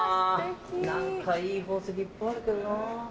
何かいい宝石いっぱいあるけどなぁ。